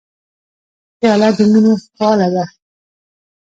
پیاله د مینې خواله ده.